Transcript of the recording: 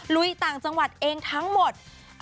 ลุยต่างจังหวัดเองทั้งหมด